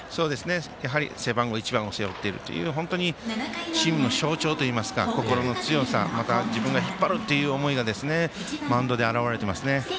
やはり背番号１番を背負っているという本当にチームの象徴といいますか心の強さまた、自分が引っ張るという思いがマウンドで表れてますね。